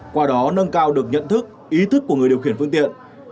qua đó nâng cao được nhận thức ý thức của người điều khiển phương tiện